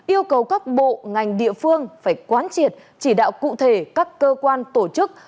yêu cầu các bộ ngành địa phương phải quán triệt chỉ đạo cụ thể các cơ quan tổ chức